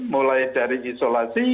mulai dari isolasi